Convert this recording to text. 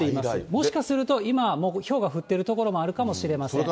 もしかすると今はもうひょうが降ってる所もあるかもしれません。